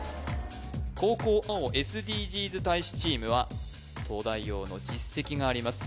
後攻青ＳＤＧｓ大使チームは「東大王」の実績があります